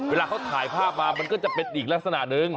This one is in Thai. เวลาเขาถ่ายภาพมามันก็จะเป็นอีกลักษณะหนึ่ง